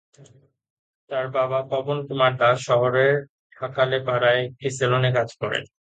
তার বাবা পবন কুমার দাস শহরের ঢাকালেপাড়ায় একটি সেলুনে কাজ করেন।